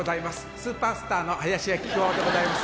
スーパースターの林家木久扇でございます。